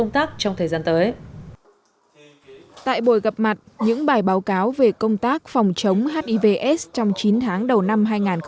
tại buổi gặp mặt những bài báo cáo về công tác phòng chống hivs trong chín tháng đầu năm hai nghìn hai mươi